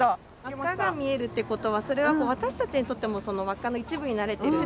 輪っかが見えるってことはそれはもう私たちにとってもその輪っかの一部になれてる。